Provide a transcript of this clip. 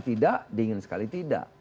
tidak dingin sekali tidak